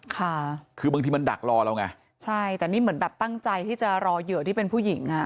ค่ะคือบางทีมันดักรอเราไงใช่แต่นี่เหมือนแบบตั้งใจที่จะรอเหยื่อที่เป็นผู้หญิงอ่ะ